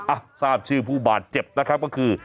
อ้ะทราบชื่อผู้บาดเจ็บก็คือ